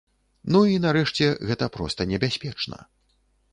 Ну і нарэшце, гэта проста небяспечна.